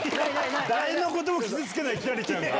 誰のことも傷つけない輝星ちゃんが。